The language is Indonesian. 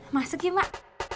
masuk yuk mak